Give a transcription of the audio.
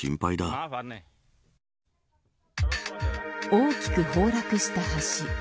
大きく崩落した橋。